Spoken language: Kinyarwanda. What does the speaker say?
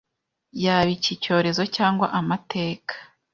yaba iki cyorezo cyangwa amateka;